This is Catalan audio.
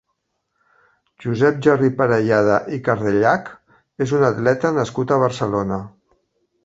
Josep Jordi Parellada i Cardellach és un atleta nascut a Barcelona.